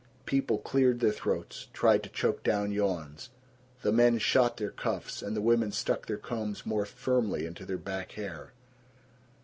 People cleared their throats, tried to choke down yawns. The men shot their cuffs and the women stuck their combs more firmly into their back hair.